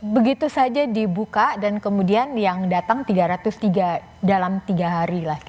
begitu saja dibuka dan kemudian yang datang tiga ratus tiga dalam tiga hari lah